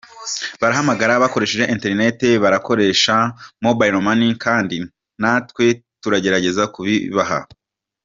Barahamagara, bakoresha internet, barakoresha Mobile Money kandi natwe tugerageza kubibaha.